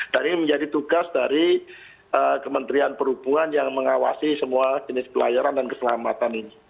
dan ini menjadi tugas dari kementerian perhubungan yang mengawasi semua jenis pelayaran dan keselamatan ini